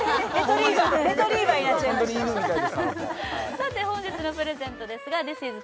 さて本日のプレゼントですがＴＨＩＳＩＳ